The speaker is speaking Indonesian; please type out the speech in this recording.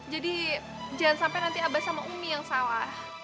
jadi jangan sampai nanti abah sama umi yang salah